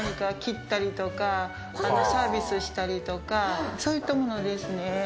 サービスしたりとかそういったものですね。